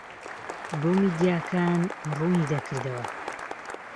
بۆ میدیاکان ڕوونی دەکردەوە